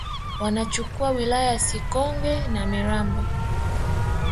wanachukua wilaya ya Sikonge na Mirambo